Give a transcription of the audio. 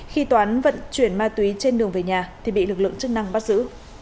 khi toán vận chuyển ma túy trên đường về nhà thì bị lực lượng chức năng bắt giữ